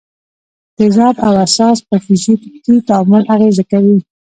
تیزاب او اساس په فزیکي تعامل اغېزه کوي.